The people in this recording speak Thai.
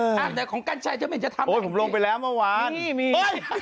บ้าบออ้าวแต่ของกั้นใช่จะเป็นจะทำอะไรโอ้ยผมลงไปแล้วเมื่อวานนี่มี